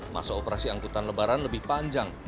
masa operasi angkutan lebaran lebih panjang